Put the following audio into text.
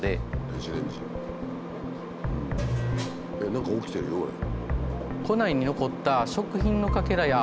何か起きてるよこれ。